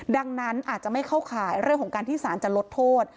ดังนั้นอาจจะไม่เข้าข่ายเรื่องของการที่สารจะลดโทษ